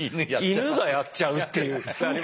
イヌがやっちゃうっていう。